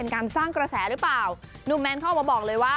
กรุบ